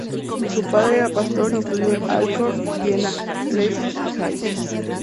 Su padre era pastor y estudió en Altdorf, Jena, Leipzig y Halle.